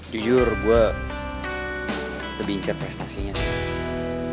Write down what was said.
jujur gue lebih incer prestasinya